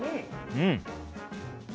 うん！